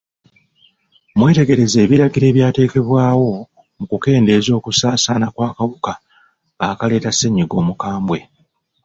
Mwetegereze ebiragiro ebyateekebwawo mu kukendeeza okusaasaana kw'akawuka akaleeta ssennyiga omukambwe.